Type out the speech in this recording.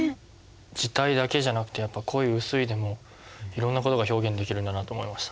字体だけじゃなくてやっぱ濃い薄いでもいろんな事が表現できるんだなと思いました。